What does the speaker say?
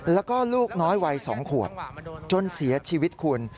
แล้วก็ลูกน้อยวัย๒ขวบจนเสียชีวิตคุณ